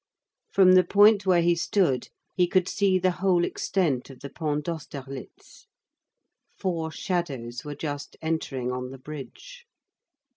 From the point where he stood he could see the whole extent of the Pont d'Austerlitz. Four shadows were just entering on the bridge.